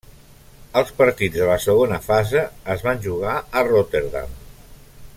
Els partits de la segona fase es van jugar a Rotterdam.